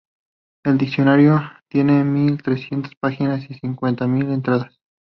El Diccionario tiene mil trescientas páginas y unas cincuenta mil entradas.